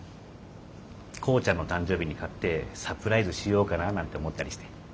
耕ちゃんの誕生日に買ってサプライズしようかなぁなんて思ったりして。